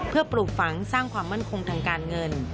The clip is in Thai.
เพื่อปลูกฝังสร้างความมั่นคงทางการเงิน